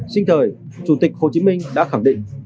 sinh thời chủ tịch hồ chí minh đã khẳng định